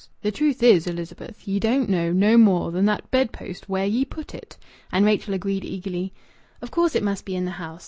The truth is, Elizabeth, ye don't know no more than that bedpost where ye put it." And Rachel agreed eagerly "Of course it must be in the house!